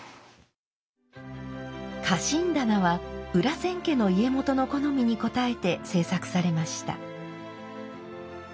佳辰棚は裏千家の家元の好みに応えて制作されました。